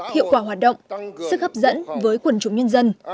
hiệu quả hoạt động sức hấp dẫn với quần chúng nhân dân